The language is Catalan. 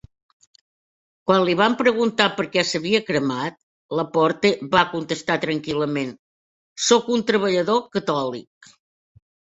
Quan li van preguntar per què s'havia cremat, LaPorte va contestar tranquil·lament: Sóc un treballador catòlic.